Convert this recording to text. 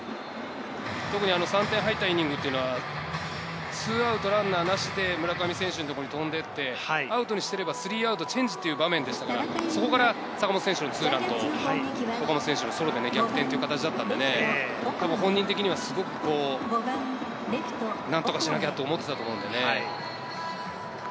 特に３点入ったイニングというのは、２アウトランナーなしで村上選手のところに飛んできてアウトにしてれば３アウトチェンジという場面でしたから、そこから坂本選手のツーランと岡本選手のソロで逆転という形だったので、本人的にはすごく何とかしなきゃと思っていたと思うので。